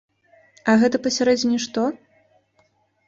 А гэта пасярэдзіне што?